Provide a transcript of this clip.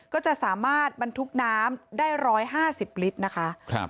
ก็จะสามารถบรรทุกน้ำได้๑๕๐ลิตรนะคะ